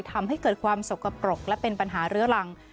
ทำให้เกิดความสกปรกและเป็นปัญหาเรื้อรัง